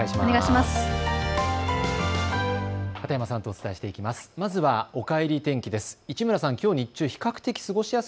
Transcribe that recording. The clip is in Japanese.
まずはおかえり天気です。